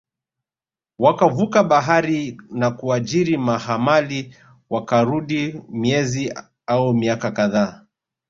wakavuka bahari na kuajiri mahamali Wakarudi miezi au miaka kadhaa